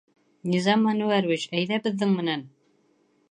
Низам Әнүәрович, әйҙә беҙҙең менән!